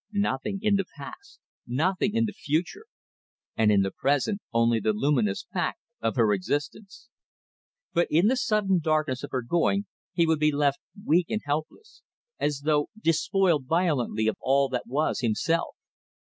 Nothing in the past, nothing in the future; and in the present only the luminous fact of her existence. But in the sudden darkness of her going he would be left weak and helpless, as though despoiled violently of all that was himself.